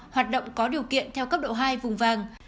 hoạt động có điều kiện theo cấp độ hai vùng vàng